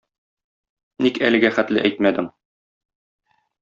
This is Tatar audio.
Ник әлегә хәтле әйтмәдең?